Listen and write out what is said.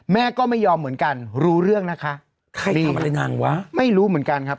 แม่ก็ไม่ยอมเหมือนกันรู้เรื่องนะคะใครทำอะไรนางวะไม่รู้เหมือนกันครับ